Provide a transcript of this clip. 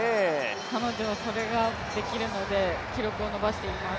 彼女はそれができるので、記録を伸ばしています。